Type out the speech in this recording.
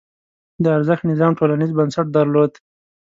د ارزښت نظام ټولنیز بنسټ درلود.